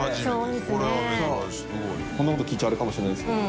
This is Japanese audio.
淵好織奪奸こんなこと聞いちゃあれかもしれないですけど。